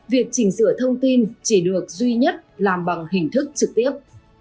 việc chỉnh sửa thông tin chỉ được duy nhất làm bằng hình thức trực tiếp